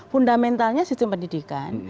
fundamentalnya sistem pendidikan